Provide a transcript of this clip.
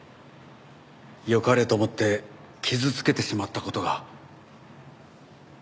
よかれと思って傷つけてしまった事が。